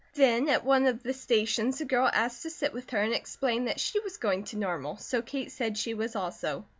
Then at one of the stations a girl asked to sit with her and explained that she was going to Normal, so Kate said she was also.